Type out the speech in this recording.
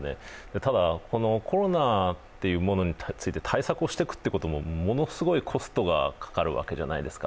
ただ、コロナというものについて対策をしていくこともものすごいコストがかかるわけじゃないですか。